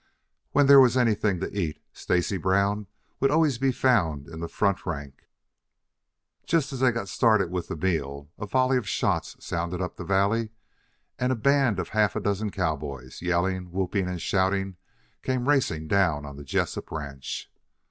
When there was anything to eat, Stacy Brown would always be found in the front rank. Just as they got started with the meal, a volley of shots sounded up the valley and a band of half a dozen cowboys, yelling, whooping and shouting came racing down on the Jessup ranch.